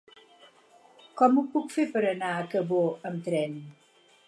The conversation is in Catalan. Com ho puc fer per anar a Cabó amb tren?